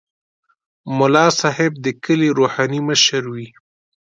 ملا صاحب د کلي روحاني مشر وي.